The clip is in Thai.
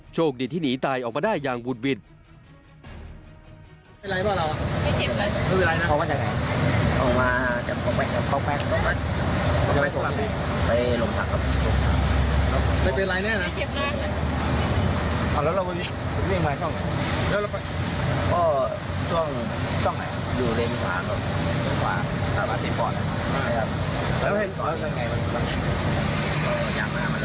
โชคดีที่หนีตายออกมาได้อย่างวุดหวิด